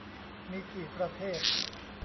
มีกี่ประเภท